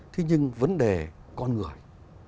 thế nhưng vấn đề con người